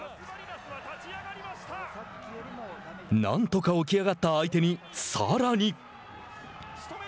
なんとか起き上がった相手にさらに。